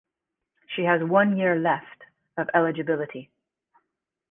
She has one year left of eligibility.